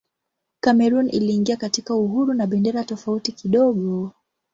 Kamerun iliingia katika uhuru na bendera tofauti kidogo.